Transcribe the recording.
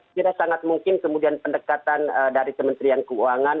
kira sangat mungkin kemudian pendekatan dari kementerian keuangan